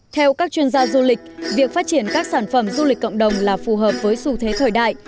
theo các chuyên gia du lịch việc phát triển các sản phẩm du lịch cộng đồng là phù hợp với xu thế thời đại